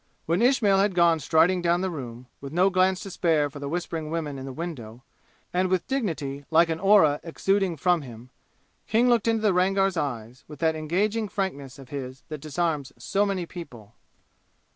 When Ismail had gone striding down the room, with no glance to spare for the whispering women in the window, and with dignity like an aura exuding from him, King looked into the Rangar's eyes with that engaging frankness of his that disarms so many people.